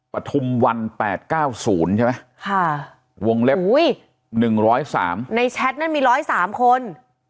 ปฐุมวัน๘๙๐ใช่ไหมวงเล็บ๑๐๓ในแชทนั้นมี๑๐๓คน